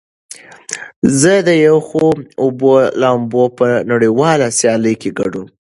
زه د یخو اوبو لامبو په نړیواله سیالۍ کې ګډون کړی یم.